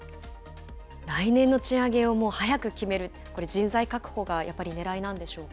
来年の賃上げをもう早く決める、これ人材確保がやはりねらいなんでしょうか。